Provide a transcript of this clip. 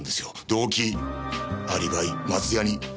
動機アリバイ松ヤニ。